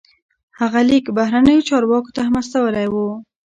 هغه لیک بهرنیو چارواکو ته هم استولی و.